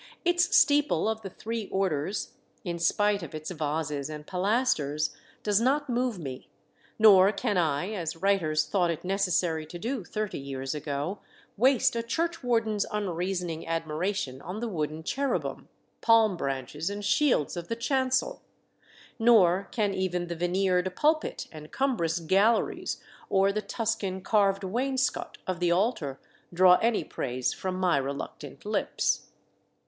Its steeple of the three orders, in spite of its vases and pilasters, does not move me; nor can I, as writers thought it necessary to do thirty years ago, waste a churchwarden's unreasoning admiration on the wooden cherubim, palm branches, and shields of the chancel; nor can even the veneered pulpit and cumbrous galleries, or the Tuscan carved wainscot of the altar draw any praise from my reluctant lips.